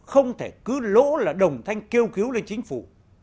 không thể cứ lỗ là đồng thanh kêu cứu lên chính phủ